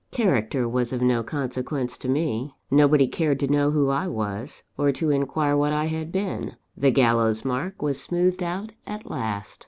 Character was of no consequence to me; nobody cared to know who I was, or to inquire what I had been the gallows mark was smoothed out at last!